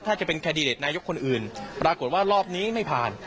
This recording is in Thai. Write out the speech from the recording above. ถ้าจะเป็นแคนดิเดตนายกคนอื่นปรากฏว่ารอบนี้ไม่ผ่าน